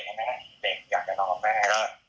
เด็กอยากจะนอนกับแม่แล้ว